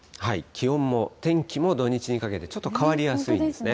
気温も天気も土日にかけて、ちょっと変わりやすいですね。